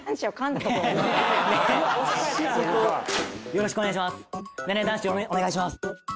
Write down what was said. よろしくお願いします！